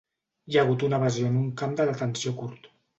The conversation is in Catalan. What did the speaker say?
Hi ha hagut una evasió en un camp de detenció Kurd